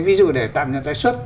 ví dụ để tạm nhân tái xuất